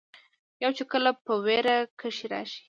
يو چې کله پۀ وېره کښې راشي